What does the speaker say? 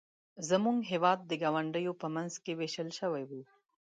زموږ هېواد د ګاونډیو په منځ کې ویشل شوی و.